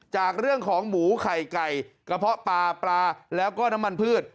จากเรื่องของหมูไข่ไก่กระเพาะปลาปลาแล้วก็น้ำมันพืช